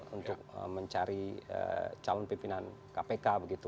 untuk mencari calon pimpinan kpk begitu